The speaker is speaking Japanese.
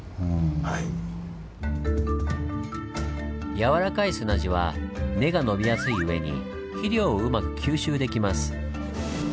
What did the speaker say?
やわらかい砂地は根が伸びやすい上に肥料をうまく吸収できます。